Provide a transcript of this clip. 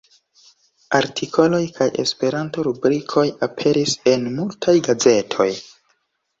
Artikoloj kaj Esperanto-rubrikoj aperis en multaj gazetoj.